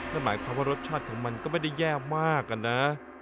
นั่นหมายความว่ารสชาติของมันก็ไม่ได้แย่มากอะนะ